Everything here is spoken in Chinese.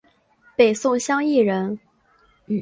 北宋襄邑人。